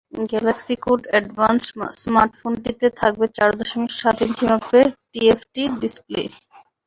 Galaxy Core Advanced স্মার্টফোনটিতে থাকবে চার দশমিক সাত ইঞ্চি মাপের টিএফটি ডিসপ্লে।